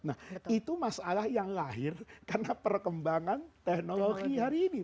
nah itu masalah yang lahir karena perkembangan teknologi hari ini